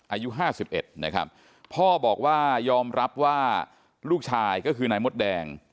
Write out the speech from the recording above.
อายุห้าสิบเอ็ดนะครับพ่อบอกว่ายอมรับว่าลูกชายก็คือนายมดแดง